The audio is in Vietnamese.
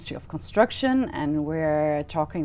trang phóng đại diện